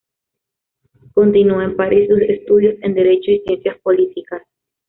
Continúa en París sus estudios en Derecho y Ciencias Políticas.